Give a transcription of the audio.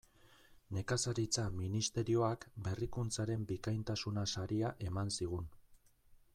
Nekazaritza Ministerioak Berrikuntzaren bikaintasuna saria eman zigun.